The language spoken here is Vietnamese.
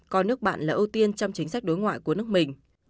coi nước bạn là ưu tiên trong chính sách đối ngoại của nước mình